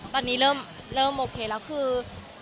ตอนนี้เริ่มโอเคแล้วคือ